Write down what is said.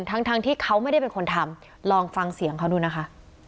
ทั้งที่เขาไม่ได้เป็นคนทำลองฟังเสียงเขาดูนะคะ